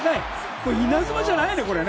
これ、イナズマじゃないね。